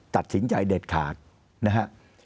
ตัดสินใจเด็ดขาดนะฮะ